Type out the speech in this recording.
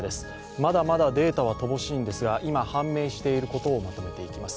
まだまだデータは乏しいのですが、今判明していることをまとめていきます。